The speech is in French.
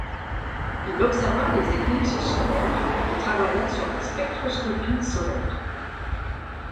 Il observa les éclipses solaires et travailla sur la spectroscopie solaire.